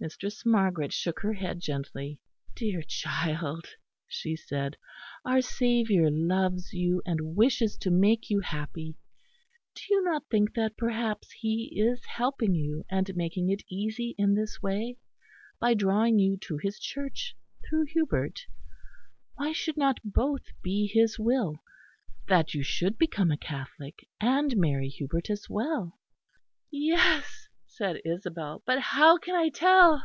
Mistress Margaret shook her head gently. "Dear child," she said, "our Saviour loves you and wishes to make you happy. Do you not think that perhaps He is helping you and making it easy in this way, by drawing you to His Church through Hubert. Why should not both be His Will? that you should become a Catholic and marry Hubert as well?" "Yes," said Isabel, "but how can I tell?"